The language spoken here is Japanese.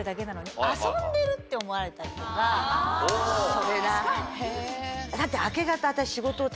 それだ。